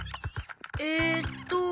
えっと。